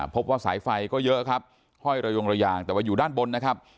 พบว่าสายไฟก็เยอะครับห้อยระยงระยางแต่ว่าอยู่ด้านบนนะครับ